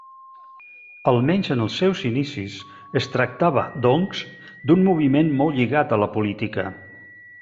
Almenys en els seus inicis, es tractava, doncs, d'un moviment molt lligat a la política.